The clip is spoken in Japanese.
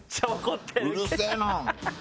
うるせえな。